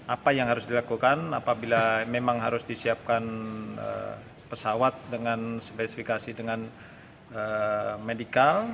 apa yang harus dilakukan apabila memang harus disiapkan pesawat dengan spesifikasi dengan medical